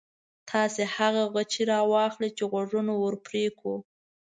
تاسې هغه بیاتي را واخلئ چې غوږونه ور پرې کړو.